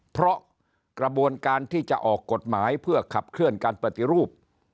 เพราะกระบวนการที่จะออกกฎหมายเพื่อขับเคลื่อนการปฏิรูป